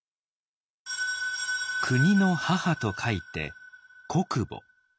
国の母と書いて国母。